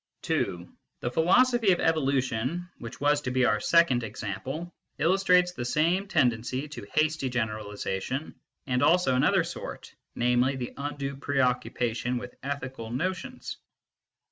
(2) The philosophy of evolution, which was to be our second example, illustrates the same tendency to hasty generalisation, and also another sort, namely, the undue preoccupation with ethical notions.